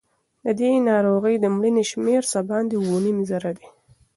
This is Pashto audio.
له دې ناروغۍ د مړینې شمېر څه باندې اووه نیم زره دی.